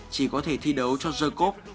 chỉ có thể thi đấu cho zerkop